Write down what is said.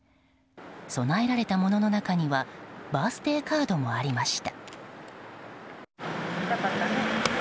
供えられたものの中にはバースデーカードもありました。